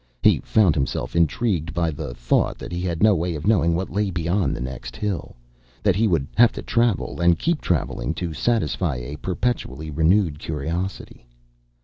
He found himself intrigued by the thought that he had no way of knowing what lay beyond the next hill that he would have to travel, and keep traveling, to satisfy a perpetually renewed curiosity.